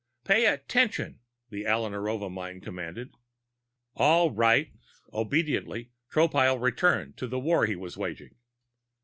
"Pay attention!" the Alla Narova mind commanded. "All right." Obediently, Tropile returned to the war he was waging.